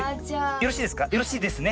よろしいですね？